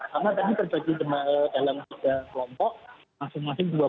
karena tadi terjadi dalam tiga kelompok masing masing dua puluh an